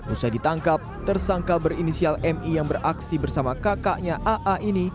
usai ditangkap tersangka berinisial mi yang beraksi bersama kakaknya aa ini